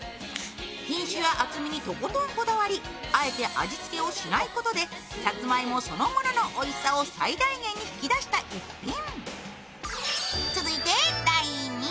品種は厚みにとことんこだわり、あえて味付けをしないことでさつまいもそのもののおいしさを最大限に引き出した逸品。